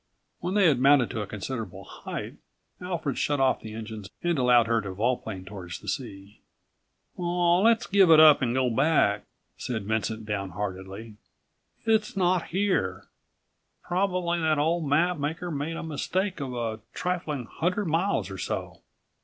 When they had mounted to a considerable height, Alfred shut off the engines and allowed her to volplane toward the sea. "Aw, let's give it up and get back," said Vincent downheartedly. "It's not here. Probably that old map maker made a mistake of a trifling hundred miles or so."